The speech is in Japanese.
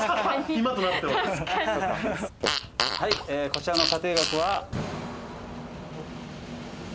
こちらの査定額は。